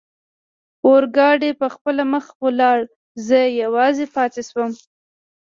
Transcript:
اورګاډي پخپله مخه ولاړ، زه یوازې پاتې شوم.